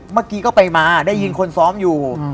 เมื่อกี้ก็ไปมาได้ยินคนซ้อมอยู่